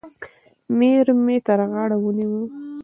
میر یې تر غاړه ونیوی.